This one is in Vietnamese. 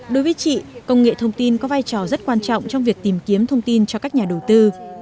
đối với chị công nghệ thông tin có vai trò rất quan trọng trong việc tìm kiếm thông tin cho các nhà đầu tư